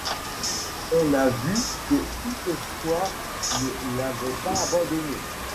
On a vu que tout espoir ne l’avait pas abandonné